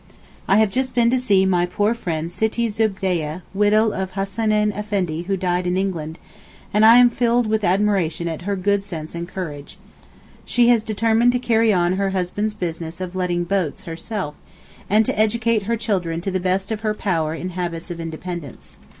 I have just been to see my poor friend Sittee Zubeydeh, widow of Hassaneyn Effendi who died in England—and I am filled with admiration at her good sense and courage. She has determined to carry on her husband's business of letting boats herself, and to educate her children to the best of her power in habits of independence.